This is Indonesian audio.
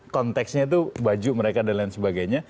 konteksnya itu baju mereka dan lain sebagainya